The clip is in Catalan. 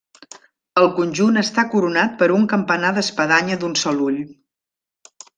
El conjunt està coronat per un campanar d'espadanya d'un sol ull.